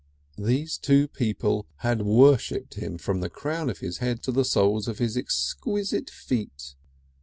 These two people had worshipped him from the crown of his head to the soles of his exquisite feet.